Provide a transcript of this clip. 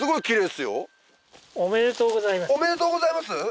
「おめでとうございます」？